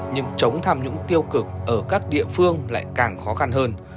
nhưng chống tham nhũng tiêu cực ở các địa phương lại càng khó khăn hơn